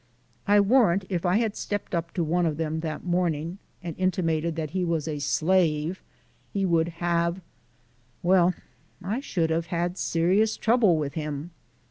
I warrant if I had stepped up to one of them that morning and intimated that he was a slave he would have well, I should have had serious trouble with him!